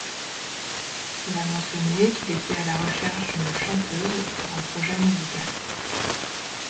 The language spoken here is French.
Il a mentionné qu'il était à la recherche d'une chanteuse pour un projet musical.